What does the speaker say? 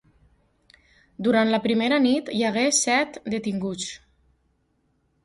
Durant la primera nit, hi hagué set detinguts.